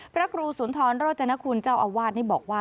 พระครูสุนทรโรจนคุณเจ้าอาวาสนี่บอกว่า